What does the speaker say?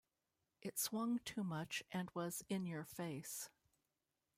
It swung too much and was in your face.